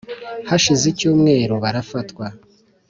hashize icyumweru barafatwa